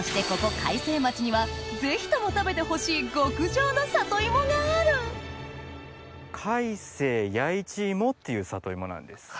開成町にはぜひとも食べてほしい極上の里芋がある！っていう里芋なんです。